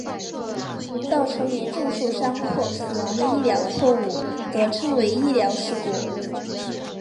造成严重受伤或死亡的医疗错误则称为医疗事故。